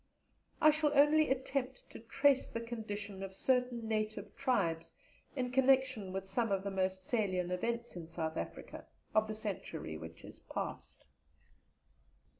I shall only attempt to trace the condition of certain native tribes in connection with some of the most salient events in South Africa of the century which is past.